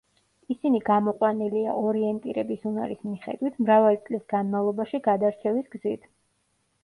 ისინი გამოყვანილია ორიენტირების უნარის მიხედვით მრავალი წლის განმავლობაში გადარჩევის გზით.